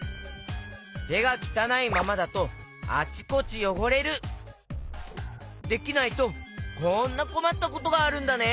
てがきたないままだとできないとこんなこまったことがあるんだね！